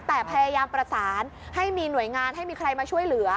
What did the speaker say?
แต่พยายามประสานให้มีหน่วยงานให้มีใครมาช่วยเหลือ